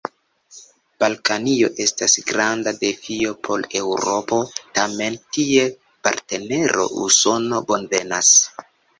Balkanio estas granda defio por Eŭropo: tamen kiel partnero Usono bonvenas.